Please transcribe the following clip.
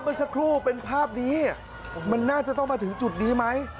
เมื่อสักครู่เป็นภาพนี้มันน่าจะต้องมาถึงจุดนี้ไหม